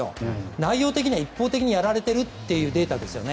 内容的には一方的にやられているというデータですよね。